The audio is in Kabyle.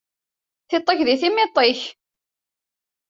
Tiṭ-ik di tmiḍt-ik.